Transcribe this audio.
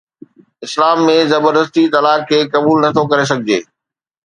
اسلام ۾ زبردستي طلاق کي قبول نٿو ڪري سگهجي